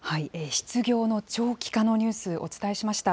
失業の長期化のニュース、お伝えしました。